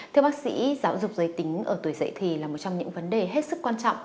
thưa bác sĩ giáo dục giới tính ở tuổi dậy thì là một trong những vấn đề hết sức quan trọng